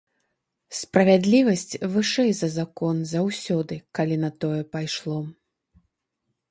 Справядлівасць вышэй за закон заўсёды, калі на тое пайшло.